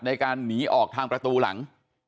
ในการหนีออกทางประตูหลัง